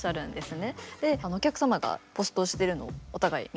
でお客様がポストしてるのをお互い見て。